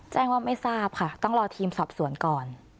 แจ้งว่าไม่ทราบค่ะต้องรอทีมสอบสวนก่อน